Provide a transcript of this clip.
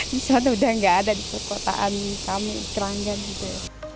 di suatu dan gak ada di perkotaan kami kerangkan gitu